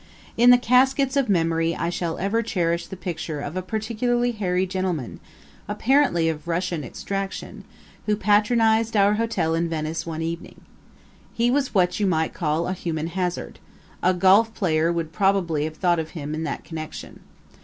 In the caskets of memory I shall ever cherish the picture of a particularly hairy gentleman, apparently of Russian extraction, who patronized our hotel in Venice one evening. He was what you might call a human hazard a golf player would probably have thought of him in that connection.